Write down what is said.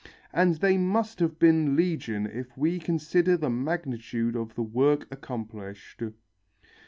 And they must have been legion if we consider the magnitude of the work accomplished.